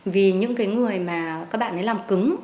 vì những cái người mà các bạn ấy làm cứng